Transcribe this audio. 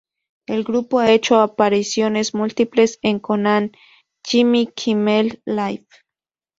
El grupo ha hecho apariciones múltiples en "Conan", "Jimmy Kimmel Live!